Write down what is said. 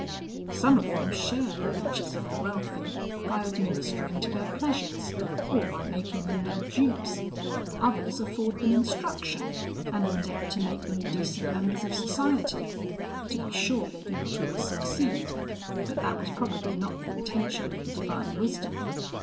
Some of them share the riches of the wealthy by administering to their pleasures, or by making them their dupes; others afford them instruction, and endeavour to make them decent members of society; to be sure, they do not always succeed; but that was probably not the intention of the divine wisdom.